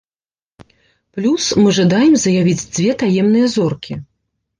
Плюс, мы жадаем заявіць дзве таемныя зоркі.